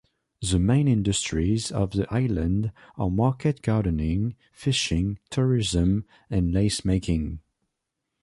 The main industries of the island are market gardening, fishing, tourism and lace making.